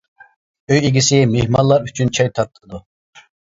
ئۆي ئىگىسى مېھمانلار ئۈچۈن چاي تارتىدۇ.